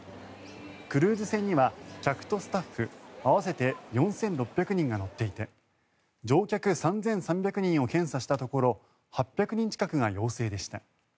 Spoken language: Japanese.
クルーズ船には客とスタッフ合わせて４６００人が乗っていて乗客３３００人を検査したところ８００人近くが陽性でした。